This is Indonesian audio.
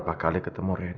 nanti nya kedepannya